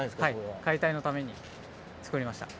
はい解体のために作りました。